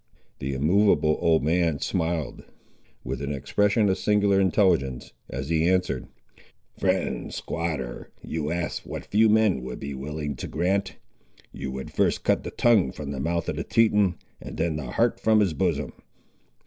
The immovable old man smiled, with an expression of singular intelligence, as he answered— "Friend squatter, you ask what few men would be willing to grant. You would first cut the tongue from the mouth of the Teton, and then the heart from his bosom."